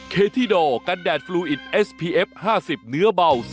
ใช่ข้าเจ็บคอให้พี่มดดำด้วย